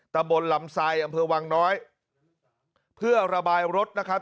ตะบนลำไซดอำเภอวังน้อยเพื่อระบายรถนะครับ